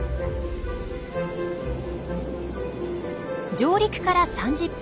上陸から３０分。